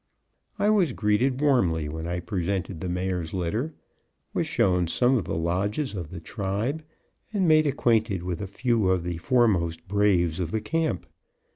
I was greeted warmly when I presented the Mayor's letter, was shown some of the lodges of the tribe, and made acquainted with a few of the foremost braves of the camp.